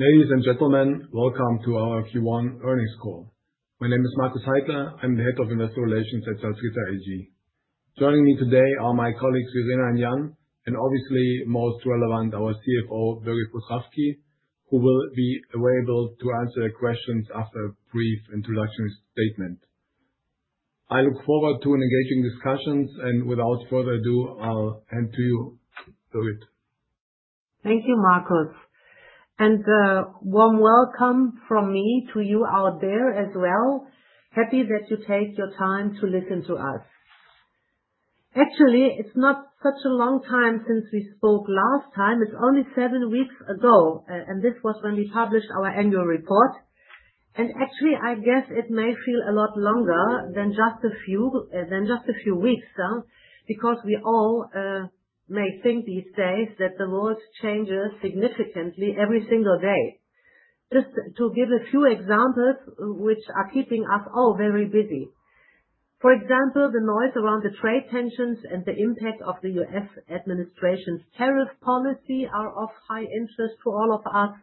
Ladies and gentlemen, welcome to our Q1 earnings call. My name is Markus Heidler. I'm the head of investor relations at Salzgitter AG. Joining me today are my colleagues Irina and Jan, and obviously most relevant, our CFO, Birgit Potrafki, who will be available to answer questions after a brief introductory statement. I look forward to engaging discussions, and without further ado, I'll hand to you, Birgit. Thank you, Markus. A warm welcome from me to you out there as well. Happy that you take your time to listen to us. Actually, it's not such a long time since we spoke last time. It's only seven weeks ago, this was when we published our annual report. Actually, I guess it may feel a lot longer than just a few weeks because we all may think these days that the world changes significantly every single day. Just to give a few examples which are keeping us all very busy. For example, the noise around the trade tensions and the impact of the US administration's tariff policy are of high interest to all of us.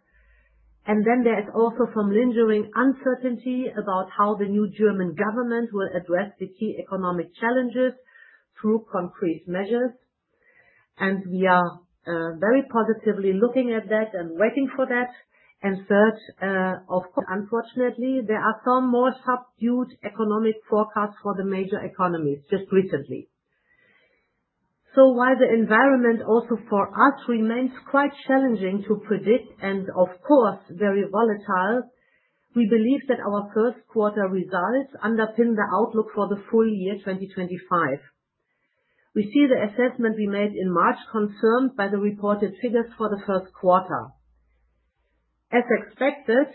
There's also some lingering uncertainty about how the new German government will address the key economic challenges through concrete measures. We are very positively looking at that and waiting for that. Third, unfortunately, there are some more subdued economic forecasts for the major economies just recently. While the environment also for us remains quite challenging to predict and, of course, very volatile, we believe that our first quarter results underpin the outlook for the full year 2025. We see the assessment we made in March confirmed by the reported figures for the first quarter. As expected,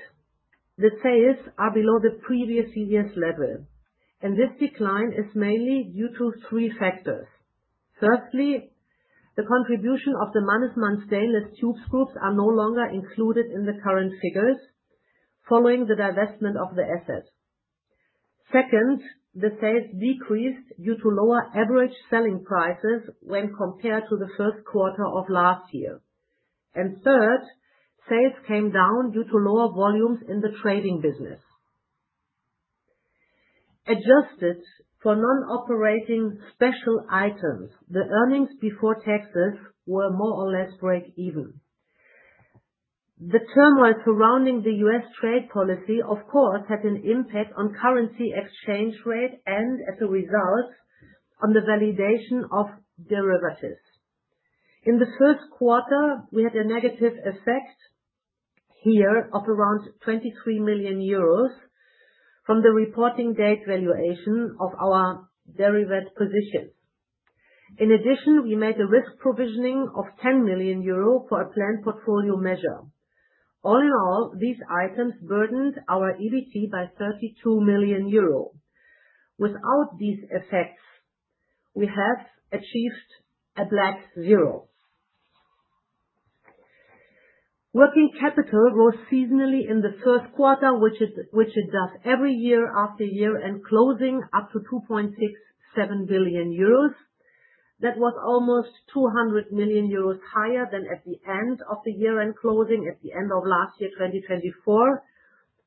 the sales are below the previous year's level, and this decline is mainly due to three factors. First, the contribution of the Mannesmann Stainless Tubes Group is no longer included in the current figures following the divestment of the asset. Second, the sales decreased due to lower average selling prices when compared to the first quarter of last year. Third, sales came down due to lower volumes in the trading business. Adjusted for non-operating special items, the earnings before taxes were more or less break-even. The turmoil surrounding the US trade policy, of course, had an impact on currency exchange rate and, as a result, on the valuation of derivatives. In the first quarter, we had a negative effect here of around €23 million from the reporting date valuation of our derivative positions. In addition, we made a risk provisioning of €10 million for a planned portfolio measure. All in all, these items burdened our EBT by €32 million. Without these effects, we have achieved a black zero. Working capital rose seasonally in the first quarter, which it does every year after year, closing up to €2.67 billion. That was almost €200 million higher than at the end of the year-end closing at the end of last year, 2024.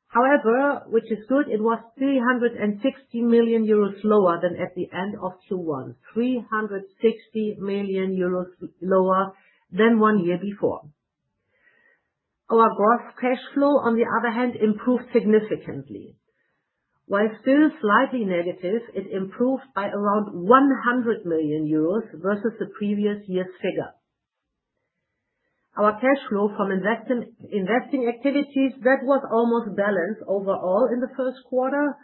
However, which is good, it was €360 million lower than at the end of Q1, €360 million lower than one year before. Our gross cash flow, on the other hand, improved significantly. While still slightly negative, it improved by around €100 million versus the previous year's figure. Our cash flow from investing activities, that was almost balanced overall in the first quarter,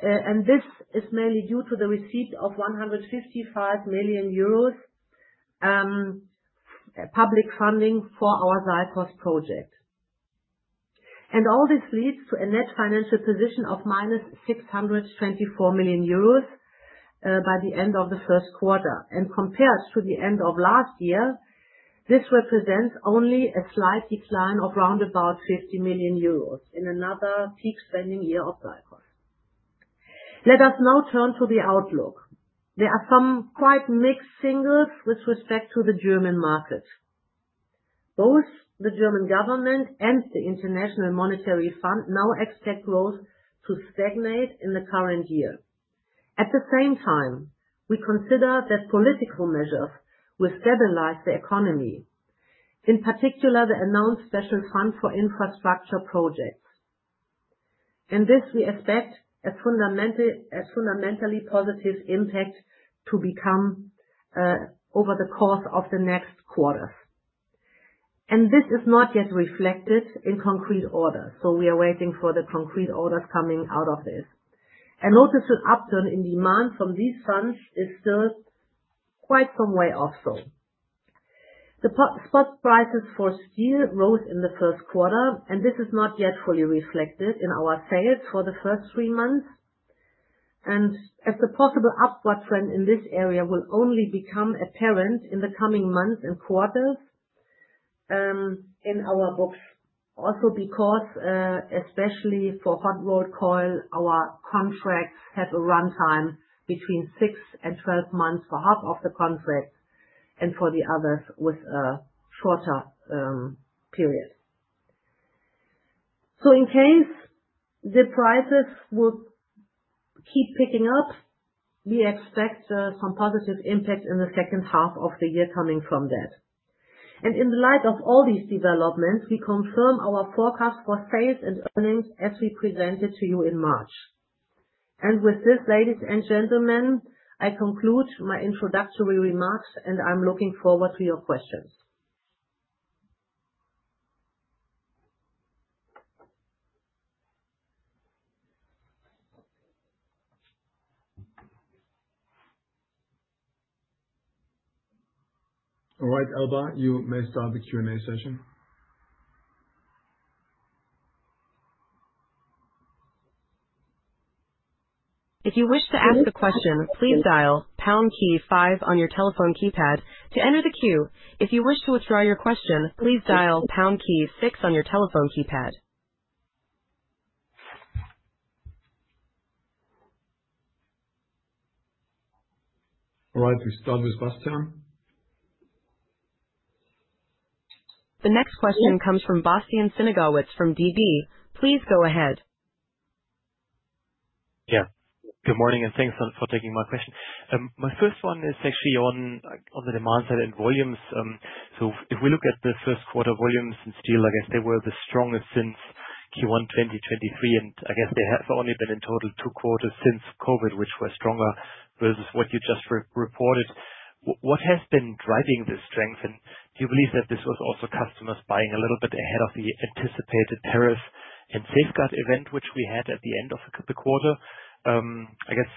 and this is mainly due to the receipt of €155 million public funding for our SALCOS project. All this leads to a net financial position of €624 million by the end of the first quarter. Compared to the end of last year, this represents only a slight decline of around about €50 million in another peak spending year of SALCOS. Let us now turn to the outlook. There are some quite mixed signals with respect to the German market. Both the German government and the International Monetary Fund now expect growth to stagnate in the current year. At the same time, we consider that political measures will stabilize the economy, in particular the announced special fund for infrastructure projects. We expect a fundamentally positive impact to become visible over the course of the next quarters. This is not yet reflected in concrete orders, so we are waiting for the concrete orders coming out of this. Notice an upturn in demand from these funds is still quite some way off. The spot prices for steel rose in the first quarter, and this is not yet fully reflected in our sales for the first three months. As the possible upward trend in this area will only become apparent in the coming months and quarters in our books, also because, especially for hot rolled coil, our contracts have a runtime between 6 and 12 months for half of the contracts and for the others with a shorter period. So in case the prices will keep picking up, we expect some positive impact in the second half of the year coming from that. In the light of all these developments, we confirm our forecast for sales and earnings as we presented to you in March. With this, ladies and gentlemen, I conclude my introductory remarks, and I'm looking forward to your questions. All right, Alba, you may start the Q&A session. If you wish to ask a question, please dial pound key 5 on your telephone keypad to enter the queue. If you wish to withdraw your question, please dial pound key 6 on your telephone keypad. All right, we start with Bastian. The next question comes from Bastian Synagowitz from DB. Please go ahead. Yeah, good morning and thanks for taking my question. My first one is actually on the demand side and volumes. So if we look at the first quarter volumes in steel, I guess they were the strongest since Q1 2023, and I guess they have only been in total two quarters since COVID, which were stronger versus what you just reported. What has been driving this strength? Do you believe that this was also customers buying a little bit ahead of the anticipated tariff and safeguard event, which we had at the end of the quarter? I guess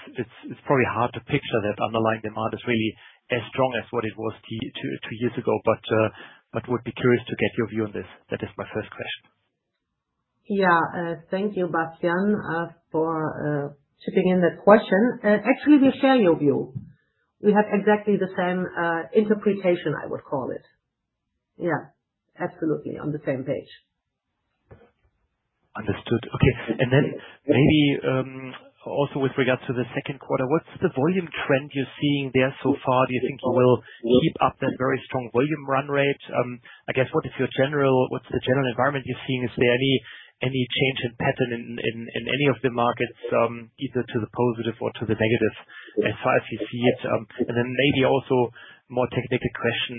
it's probably hard to picture that underlying demand is really as strong as what it was two years ago, but would be curious to get your view on this. That is my first question. Yeah, thank you, Bastian, for chipping in that question. Actually, we share your view. We have exactly the same interpretation, I would call it. Yeah, absolutely on the same page. Understood. And then maybe also with regards to the second quarter, what's the volume trend you're seeing there so far? Do you think you will keep up that very strong volume run rate? I guess what's the general environment you're seeing? Is there any change in pattern in any of the markets, either to the positive or to the negative, as far as you see it? And then maybe also more technical question,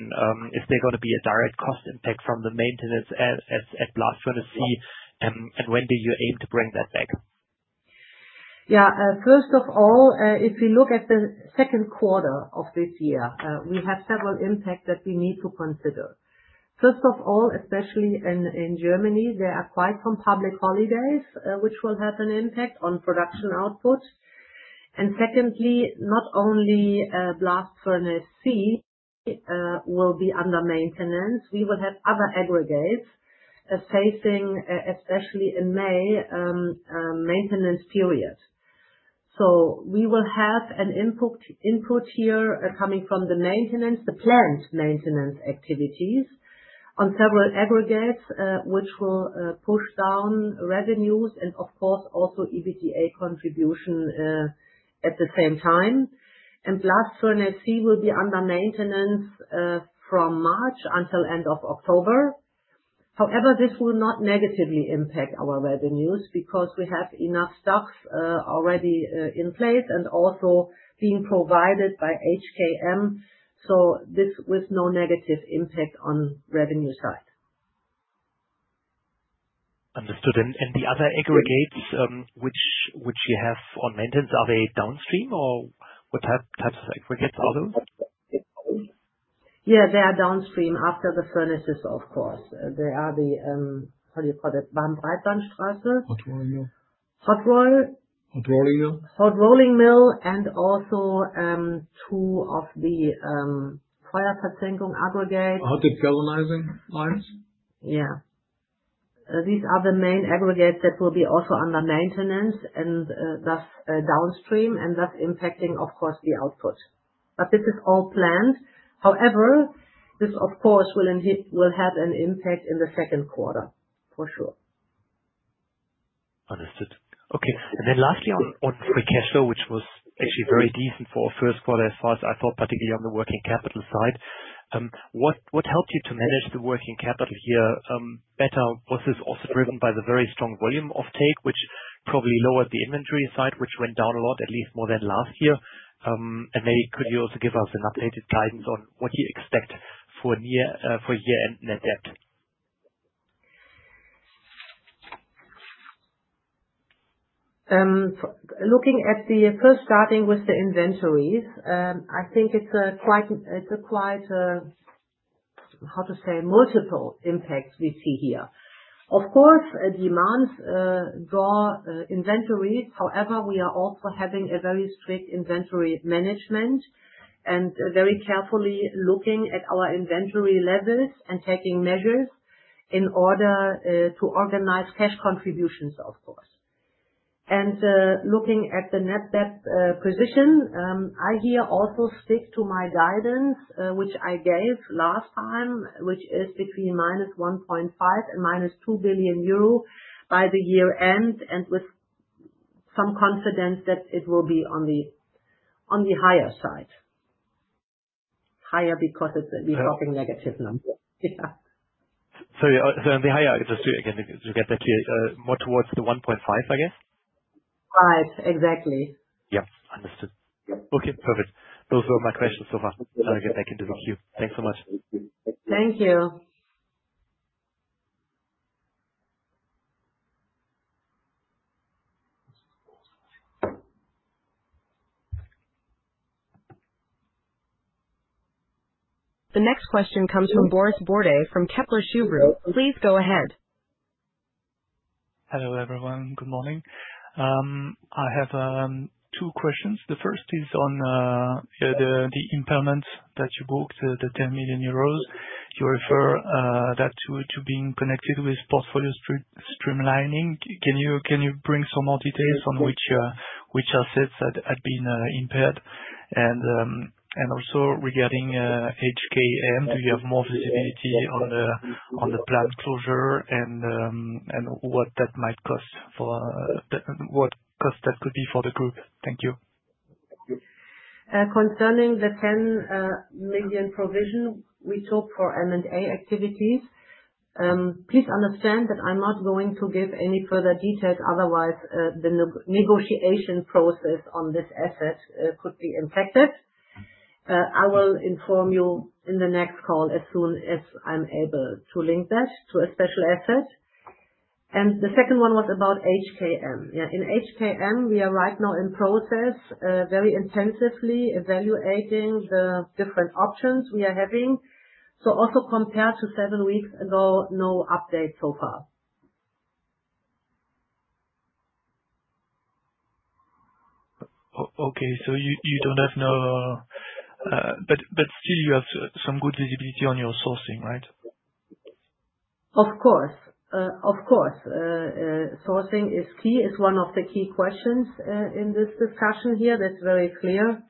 is there going to be a direct cost impact from the maintenance at Blast Furnace C, and when do you aim to bring that back? First of all, if we look at the second quarter of this year, we have several impacts that we need to consider. First of all, especially in Germany, there are quite some public holidays, which will have an impact on production output. Secondly, not only Blast Furnace C will be under maintenance, we will have other aggregates facing, especially in May, maintenance period. So we will have an impact here coming from the maintenance, the plant maintenance activities on several aggregates, which will push down revenues and, of course, also EBITDA contribution at the same time. Blast Furnace C will be under maintenance from March until end of October. However, this will not negatively impact our revenues because we have enough stock already in place and also being provided by HKM. So this with no negative impact on revenue side. Understood. And the other aggregates which you have on maintenance, are they downstream or what types of aggregates are those? Yeah, they are downstream after the furnaces, of course. They are the, how do you call it, Warmbreitbandstraße. Hot Rolling Mill. Hot Rolling. Hot Rolling Mill. Hot Rolling Mill and also two of the Feuerverzinkung aggregates. Hot dip galvanizing lines. These are the main aggregates that will be also under maintenance and thus downstream and thus impacting, of course, the output. But this is all planned. However, this, of course, will have an impact in the second quarter, for sure. Understood. Okay. And then lastly, on free cash flow, which was actually very decent for our first quarter, as far as I thought, particularly on the working capital side. What helped you to manage the working capital here better? Was this also driven by the very strong volume offtake, which probably lowered the inventory side, which went down a lot, at least more than last year? And maybe could you also give us an updated guidance on what you expect for year-end net debt? Looking at the first, starting with the inventories, I think it's quite, how to say, multiple impacts we see here. Of course, demand draws inventories. However, we are also having very strict inventory management and very carefully looking at our inventory levels and taking measures in order to organize cash contributions, of course. Looking at the net debt position, I here also stick to my guidance, which I gave last time, which is between minus €1.5 billion and minus €2 billion by the year-end and with some confidence that it will be on the higher side. Higher because it will be such a negative number. Sorry, so on the higher, just to get back to you, more towards the 1.5, I guess? Right, exactly. Yeah, understood. Okay, perfect. Those were my questions so far. Now I get back into the queue. Thanks so much. Thank you. The next question comes from Boris Bordes from Kepler Cheuvreux. Please go ahead. Hello everyone, good morning. I have two questions. The first is on the impairments that you booked, the €10 million. You refer that to being connected with portfolio streamlining. Can you bring some more details on which assets had been impaired? And also regarding HKM, do you have more visibility on the plant closure and what that might cost for the group? Thank you. Concerning the €10 million provision we took for M&A activities, please understand that I'm not going to give any further details, otherwise the negotiation process on this asset could be impacted. I will inform you in the next call as soon as I'm able to link that to a special asset. The second one was about HKM. Yeah, in HKM, we are right now in process, very intensively evaluating the different options we are having. So also compared to seven weeks ago, no update so far. Okay, so you don't have no, but still you have some good visibility on your sourcing, right? Of course. Of course. Sourcing is key, is one of the key questions in this discussion here. That's very clear.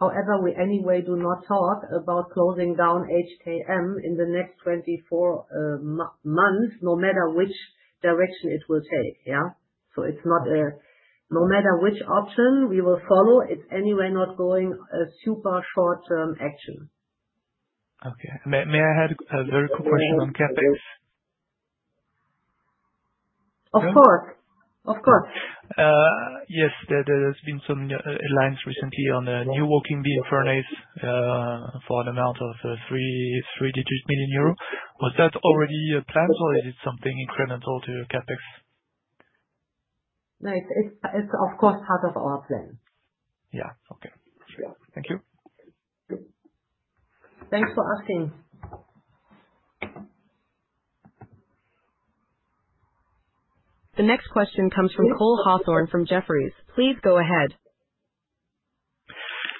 However, we anyway do not talk about closing down HKM in the next 24 months, no matter which direction it will take. Yeah? So no matter which option we will follow, it's anyway not going to be a super short-term action. Okay. May I have a very quick question on CapEx? Of course. Of course. Yes, there has been some investment recently on the new walking beam furnace for an amount of €3 million. Was that already planned or is it something incremental to CapEx? No, it's of course part of our plan. Yeah. Okay. Thank you. Thanks for asking. The next question comes from Cole Hathorn from Jefferies. Please go ahead.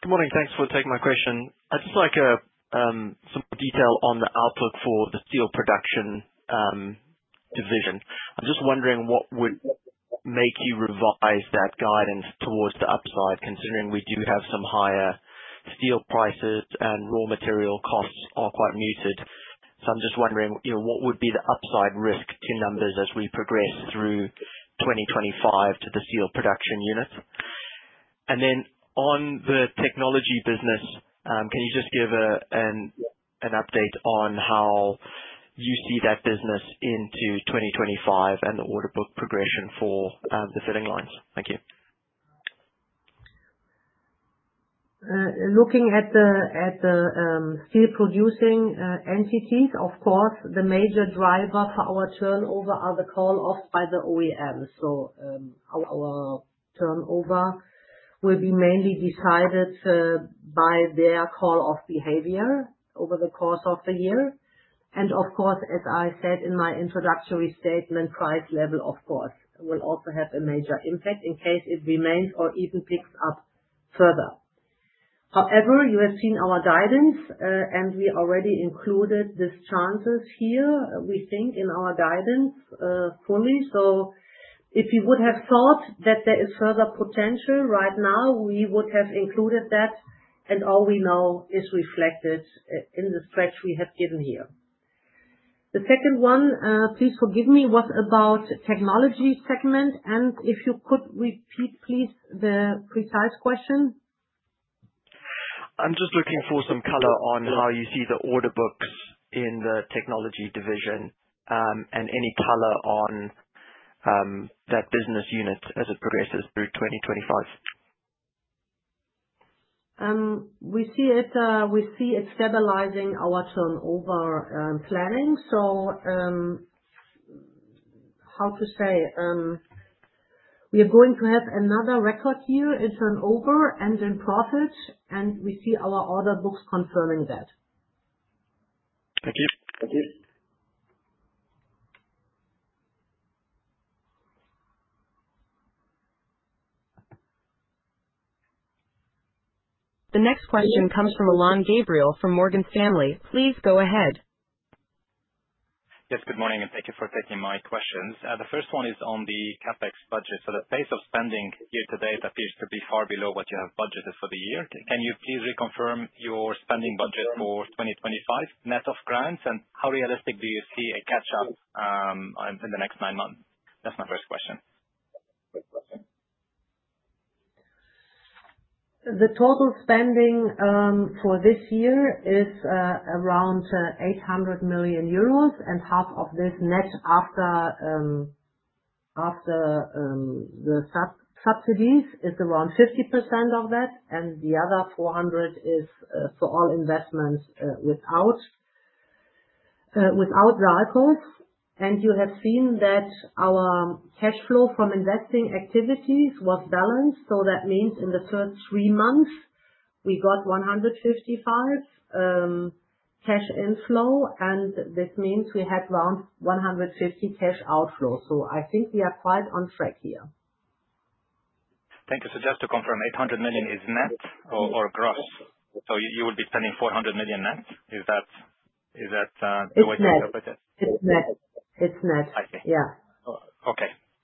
Good morning. Thanks for taking my question. I'd just like some detail on the outlook for the steel production division. I'm just wondering what would make you revise that guidance towards the upside, considering we do have some higher steel prices and raw material costs are quite muted. I'm just wondering what would be the upside risk to numbers as we progress through 2025 to the steel production unit. On the technology business, can you just give an update on how you see that business into 2025 and the order book progression for the filling lines? Thank you. Looking at the steel producing entities, of course, the major driver for our turnover are the call-offs by the OEMs. So our turnover will be mainly decided by their call-off behavior over the course of the year. Of course, as I said in my introductory statement, price level will also have a major impact in case it remains or even picks up further. However, you have seen our guidance, and we already included these chances here, we think, in our guidance fully. If you would have thought that there is further potential right now, we would have included that, and all we know is reflected in the stretch we have given here. The second one, please forgive me, was about technology segment. If you could repeat, please, the precise question. I'm just looking for some color on how you see the order books in the technology division and any color on that business unit as it progresses through 2025. We see it stabilizing our turnover planning. We are going to have another record year in turnover and in profit, and we see our order books confirming that. Thank you. The next question comes from Alain Gabriel from Morgan Stanley. Please go ahead. Yes, good morning, and thank you for taking my questions. The first one is on the CapEx budget. The pace of spending year to date appears to be far below what you have budgeted for the year. Can you please reconfirm your spending budget for 2025? Net of grants, and how realistic do you see a catch-up in the next nine months? That's my first question. The total spending for this year is around €800 million, and half of this net after the subsidies is around 50% of that, and the other €400 million is for all investments without SALCOS. You have seen that our cash flow from investing activities was balanced. That means in the first three months, we got €155 million cash inflow, and this means we had around €150 million cash outflow. I think we are quite on track here. Thank you. Just to confirm, €800 million is net or gross? You would be spending €400 million net? Is that the way to interpret it? It's net. It's net. I see.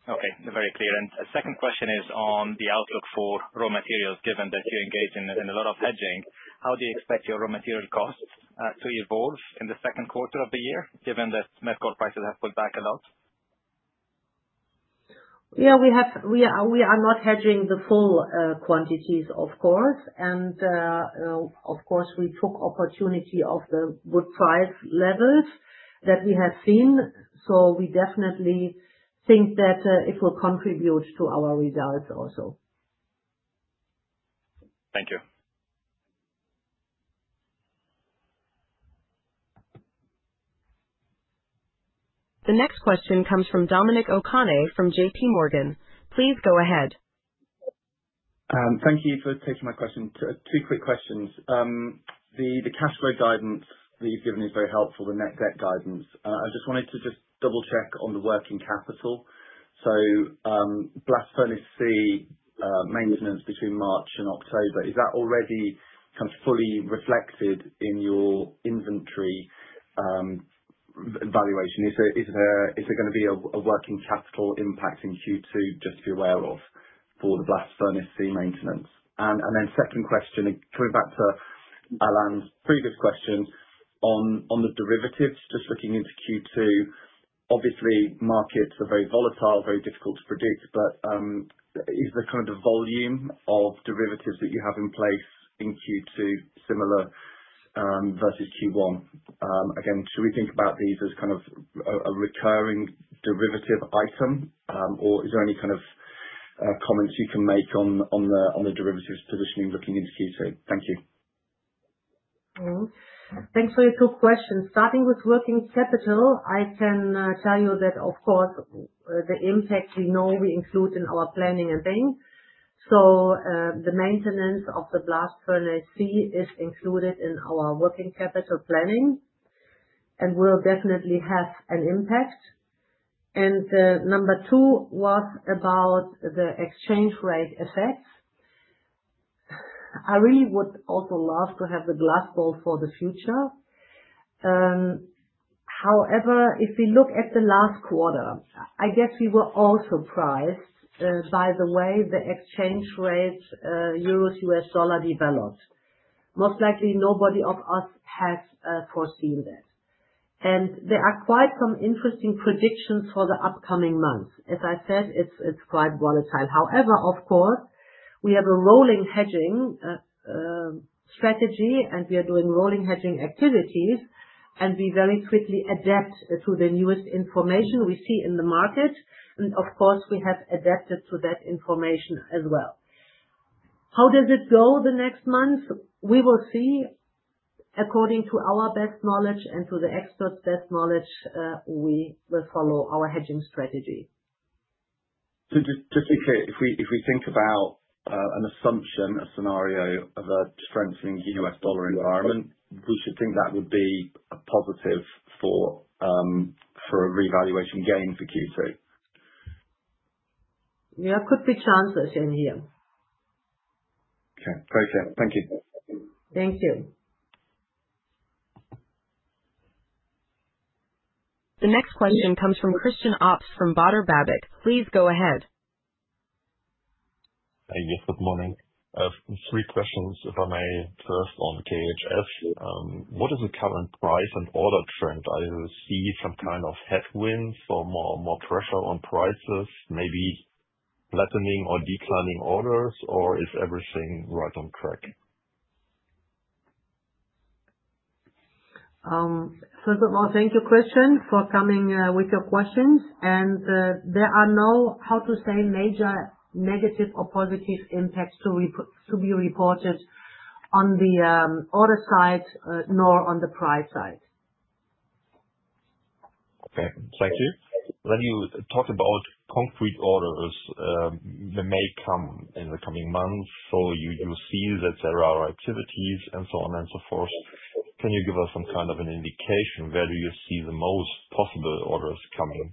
Okay. Very clear. And the second question is on the outlook for raw materials, given that you engage in a lot of hedging. How do you expect your raw material costs to evolve in the second quarter of the year, given that metal prices have pulled back a lot? Yeah, we are not hedging the full quantities, of course. Of course, we took opportunity of the good price levels that we have seen. So we definitely think that it will contribute to our results also. Thank you. The next question comes from Dominic O'Kane from JP Morgan. Please go ahead. Thank you for taking my question. Two quick questions. The cash flow guidance that you've given is very helpful, the net debt guidance. I just wanted to double-check on the working capital. So Blast Furnace C maintenance between March and October, is that already fully reflected in your inventory evaluation? Is there going to be a working capital impact in Q2 just to be aware of for the Blast Furnace C maintenance? And then second question, coming back to Elan's previous question on the derivatives, just looking into Q2, obviously markets are very volatile, very difficult to predict, but is the volume of derivatives that you have in place in Q2 similar versus Q1? Again, should we think about these as a recurring derivative item, or is there any comments you can make on the derivatives positioning looking into Q2? Thank you. Thanks for your two questions. Starting with working capital, I can tell you that, of course, the impact we know we include in our planning and things. So the maintenance of the Blast Furnace C is included in our working capital planning and will definitely have an impact. Number two was about the exchange rate effects. I really would also love to have the crystal ball for the future. However, if we look at the last quarter, I guess we were all surprised by the way the exchange rate, euros, US dollar developed. Most likely, nobody of us has foreseen that. There are quite some interesting predictions for the upcoming months. As I said, it's quite volatile. However, of course, we have a rolling hedging strategy, and we are doing rolling hedging activities, and we very quickly adapt to the newest information we see in the market. And of course, we have adapted to that information as well. How does it go the next month? We will see. According to our best knowledge and to the experts' best knowledge, we will follow our hedging strategy. Just to be clear, if we think about an assumption, a scenario of a strengthening US dollar environment, we should think that would be positive for a revaluation gain for Q2. There could be chances in here. Okay. Very clear. Thank you. Thank you. The next question comes from Christian Obst from Baader Bank. Please go ahead. Yes, good morning. Three questions, if I may. First, on KHS. What is the current price and order trend? I see some kind of headwinds or more pressure on prices, maybe flattening or declining orders, or is everything right on track? First of all, thank you, Christian, for coming with your questions. There are no major negative or positive impacts to be reported on the order side nor on the price side. Okay. Thank you. When you talk about concrete orders that may come in the coming months, so you see that there are activities and so on and so forth, can you give us some kind of an indication where do you see the most possible orders coming?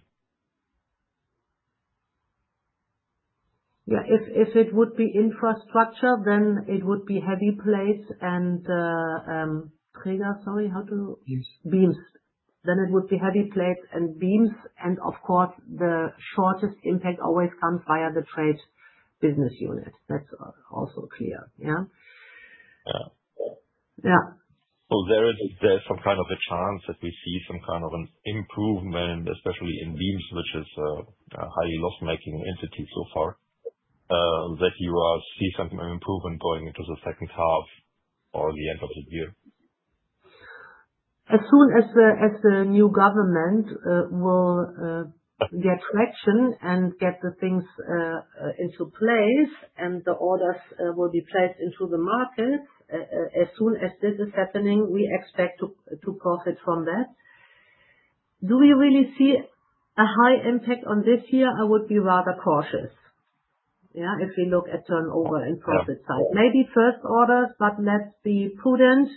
Yeah. If it would be infrastructure, then it would be heavy plates and Träger, sorry, how to. Beams. Beams. Then it would be heavy plates and beams. Of course, the shortest impact always comes via the trade business unit. That's also clear. Yeah? Well, there is some kind of a chance that we see some kind of an improvement, especially in beams, which is a highly loss-making entity so far, that you see some improvement going into the second half or the end of the year. As soon as the new government will get traction and get the things into place and the orders will be placed into the market, as soon as this is happening, we expect to profit from that. Do we really see a high impact on this year? I would be rather cautious. If we look at turnover and profit side, maybe first orders, but let's be prudent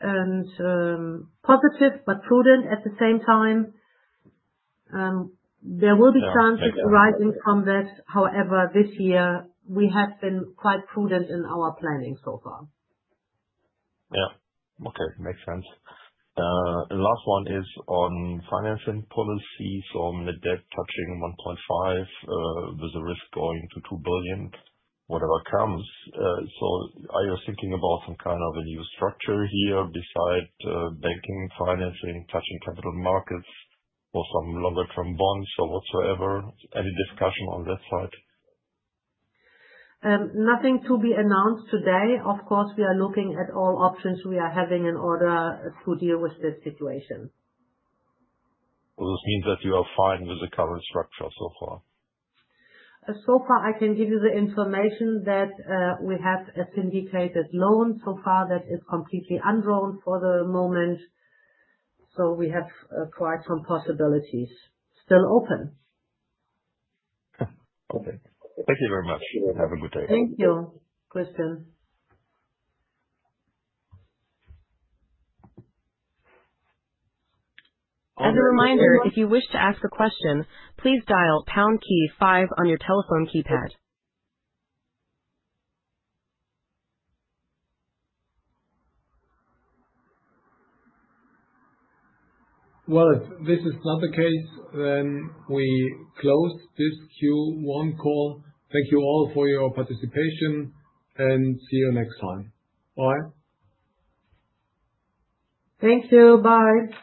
and positive, but prudent at the same time. There will be chances arising from that. However, this year, we have been quite prudent in our planning so far. Yeah. Okay. Makes sense. The last one is on financing policies. So net debt touching €1.5 billion with a risk going to €2 billion, whatever comes. So are you thinking about some kind of a new structure here besides banking, financing, touching capital markets or some longer-term bonds or whatsoever? Any discussion on that side? Nothing to be announced today. Of course, we are looking at all options we are having in order to deal with this situation. This means that you are fine with the current structure so far? So far, I can give you the information that we have a syndicated loan so far that is completely undrawn for the moment. We have quite some possibilities still open. Okay. Perfect. Thank you very much. Have a good day. Thank you, Christian. As a reminder, if you wish to ask a question, please dial pound key 5 on your telephone keypad. Well, if this is not the case, then we close this Q1 call. Thank you all for your participation and see you next time. Bye. Thank you. Bye.